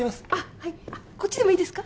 はいこっちでもいいですか？